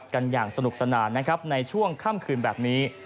กันอย่างสนุกสนานนะครับในช่วงค่ำคืนแบบนี้